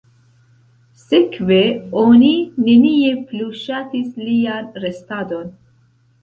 Sekve oni nenie plu ŝatis lian restadon.